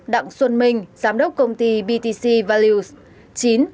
hai đặng xuân minh giám đốc công ty btc values